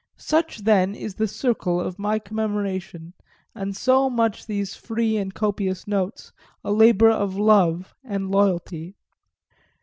Such then is the circle of my commemoration and so much these free and copious notes a labour of love and loyalty.